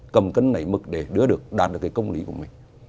cầm cân nảy mực để đưa được đạt được cái công lý của mình